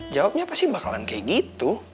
jawabnya apa sih bakalan kayak gitu